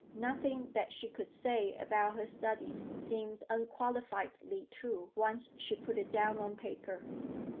Nothing that she could say about her studies seemed unqualifiedly true, once she put it down on paper.